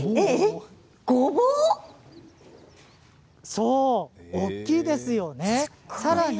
そう、大きいですよね。